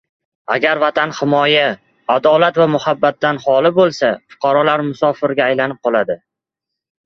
Agar Vatan himoya, adolat va muhabbatdan xoli bo‘lsa, fuqarolar musofirga aylanib qoladi.